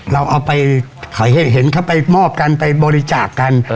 เราเอาไปเห็นเขาไปมอบกันไปบริจาคกัน